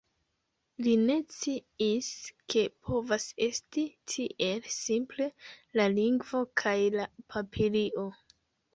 Li ne sciis, ke povas esti tiel simple, la lingvo, kaj la papilio.